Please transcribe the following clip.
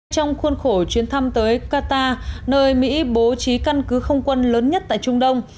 trong khuôn khổ chuyến thăm tới qatar nơi mỹ bố trí căn cứ không quân lớn nhất tại trung đông